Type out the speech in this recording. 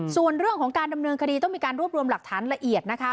ส่วนเรื่องของการดำเนินคดีต้องมีการรวบรวมหลักฐานละเอียดนะคะ